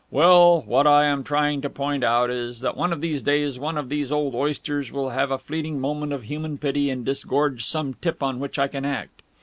Well, what I am trying to point out is that one of these days one of these old oysters will have a fleeting moment of human pity and disgorge some tip on which I can act.